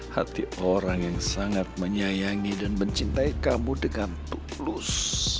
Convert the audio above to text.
hati orang yang sangat menyayangi dan mencintai kamu dengan tulus